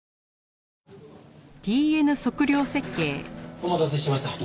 お待たせしました。